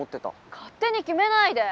勝手に決めないで。